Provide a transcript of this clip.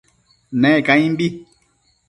Ne caimbi